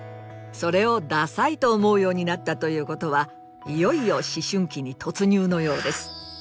それを「ダサい」と思うようになったということはいよいよ思春期に突入のようです。